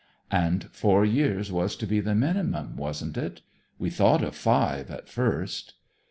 "And four years was to be the minimum, wasn't it? We thought of five, at first."